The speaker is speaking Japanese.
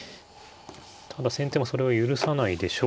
ただ先手もそれは許さないでしょう。